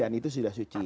dan itu sudah suci